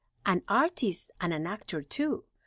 An artist, and an actor, too!!!